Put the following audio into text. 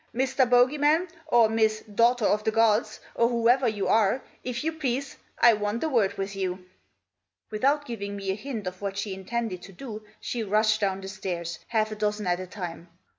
Mr. Bogey man, or Miss Daughter of the gods, or whoever you are, if you please, I want a word with you." Without giving me a hint of what she intended to do she rushed down the stairs, half a dozen at a time.